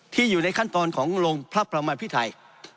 อยู่ในขั้นตอนของลงพระประมาพิไทย